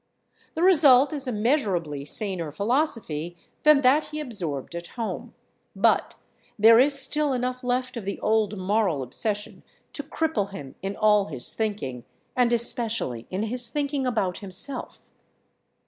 The result is a measurably saner philosophy than that he absorbed at home, but there is still enough left of the old moral obsession to cripple him in all his thinking, and especially in his thinking about himself.